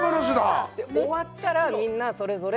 「終わったらみんなそれぞれ」